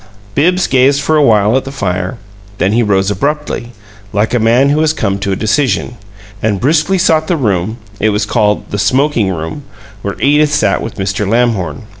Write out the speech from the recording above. Bibbs gazed for a while at the fire; then he rose abruptly, like a man who has come to a decision, and briskly sought the room it was called "the smoking room" where Edith sat with Mr. Lamhorn.